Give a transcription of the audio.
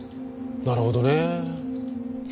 なるほどねえ。